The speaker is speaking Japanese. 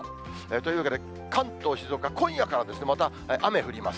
というわけで、関東、静岡、今夜から、また雨降ります。